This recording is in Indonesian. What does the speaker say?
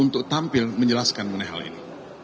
untuk tampil menjelaskan mengenai hal ini